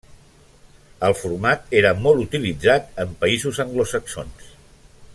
El format era molt utilitzat en països anglosaxons.